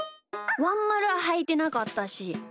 ワンまるははいてなかったし。